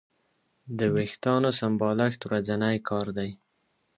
د وېښتیانو سمبالښت ورځنی کار دی.